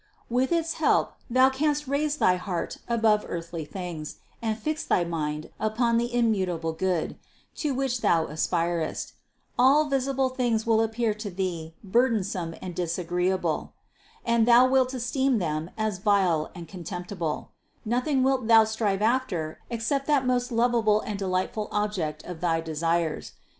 With its help thou canst raise thy heart above earthly things and fix thy mind upon the immutable Good, to which thou aspirest; all visible things will appear to thee burdensome and dis agreeable, and thou wilt esteem them as vile and con temptible ; nothing wilt thou strive after except that most lovable and delightful object of thy desires.